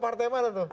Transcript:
partai mana tuh